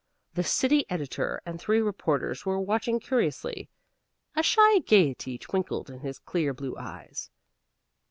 The city editor and three reporters were watching curiously. A shy gayety twinkled in his clear blue eyes.